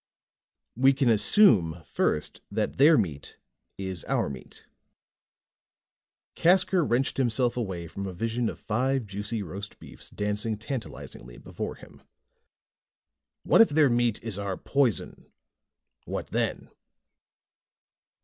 "We can assume, first, that their meat is our meat." Casker wrenched himself away from a vision of five juicy roast beefs dancing tantalizingly before him. "What if their meat is our poison? What then?"